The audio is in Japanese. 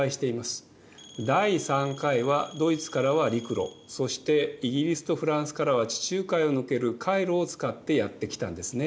第３回はドイツからは陸路そしてイギリスとフランスからは地中海を抜ける海路を使ってやって来たんですね。